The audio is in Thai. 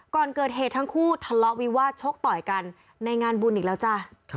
ก่อนเกิดเหตุทั้งคู่ทะเลาะวิวาสชกต่อยกันในงานบุญอีกแล้วจ้ะ